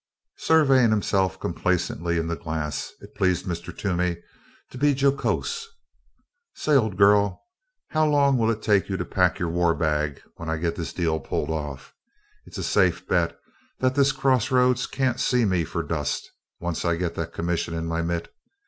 Surveying himself complacently in the glass, it pleased Mr. Toomey to be jocose. "Say, Old Girl, how long will it take you to pack your war bag when I get this deal pulled off? It's a safe bet that this cross roads can't see me for dust, once I get that commission in my mitt."